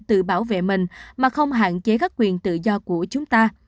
tự bảo vệ mình mà không hạn chế các quyền tự do của chúng ta